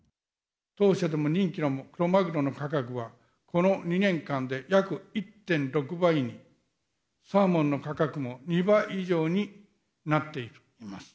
当社でも人気のクロマグロの価格は、この２年間で約１．６倍に、サーモンの価格も２倍以上になっています。